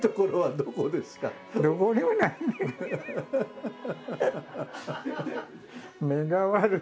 どこにもない！